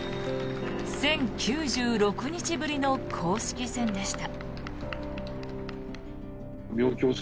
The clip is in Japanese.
１０９６日ぶりの公式戦でした。